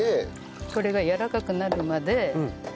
これがやわらかくなるまで。